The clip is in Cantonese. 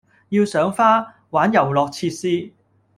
要賞花、玩遊樂設施